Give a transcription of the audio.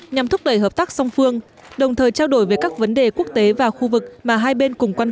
nhằm thúc đẩy hợp tác song phương đồng thời trao đổi về các vấn đề quốc tế và khu vực mà hai bên cùng quan